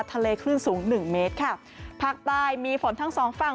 คลื่นสูงหนึ่งเมตรค่ะภาคใต้มีฝนทั้งสองฝั่ง